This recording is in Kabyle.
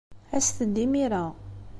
Aset-d imir-a.